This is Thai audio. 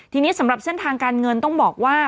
ทีนี้สำหรับเส้นทางการเงินต้องบอกว่า